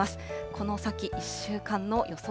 この先１週間の予想